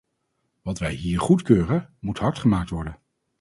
Wat wij hier goedkeuren, moet hard gemaakt worden.